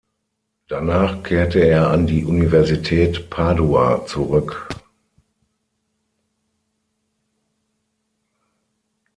Danach kehrte er an die Universität Padua zurück.